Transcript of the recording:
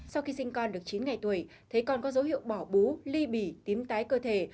sau khi sinh con được chín ngày tuổi thế con có dấu hiệu bỏ bú ly bì tím tái cơ thể